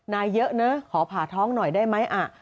นายเยอะเนอะขอผ่าทองหน่อยได้ไหมอ่ะ